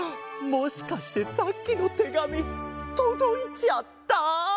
もしかしてさっきのてがみとどいちゃった？